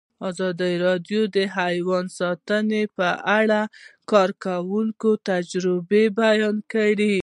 ازادي راډیو د حیوان ساتنه په اړه د کارګرانو تجربې بیان کړي.